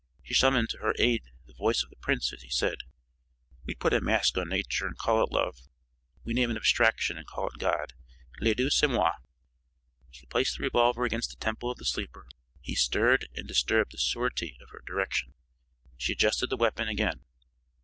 She summoned to her aid the voice of the prince as he had said: "We put a mask on nature and call it love; we name an abstraction and call it God. Le Dieu, c'est moi!" She placed the revolver against the temple of the sleeper; he stirred and disturbed the surety of her direction. She adjusted the weapon again.